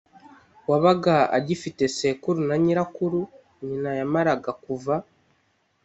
wabaga agifite sekuru na nyirakuru, nyina yamaraga kuva